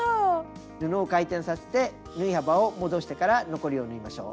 布を回転させて縫い幅を戻してから残りを縫いましょう。